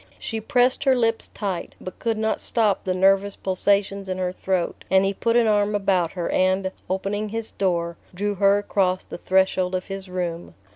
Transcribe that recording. She pressed her lips tight, but could not stop the nervous pulsations in her throat, and he put an arm about her and, opening his door, drew her across the threshold of his room.